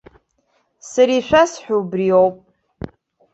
Сара ишәасҳәо убриоуп.